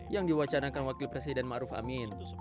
yang diwacanakan wakil presiden maruf amin